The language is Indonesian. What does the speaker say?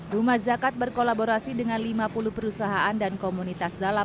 rumah zakat berkolaborasi dengan lima puluh perusahaan dan komunitas dalam